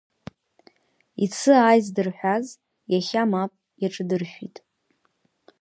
Ецы ааи здырҳәаз, иахьа мап иаҿадыршәит.